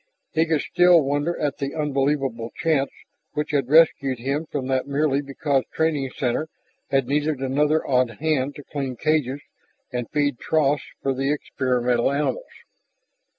He could still wonder at the unbelievable chance which had rescued him from that merely because Training Center had needed another odd hand to clean cages and feed troughs for the experimental animals.